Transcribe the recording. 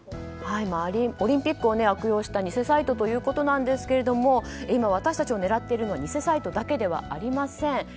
オリンピックを悪用した偽サイトですが今、私たちを狙っているのは偽サイトだけではありません。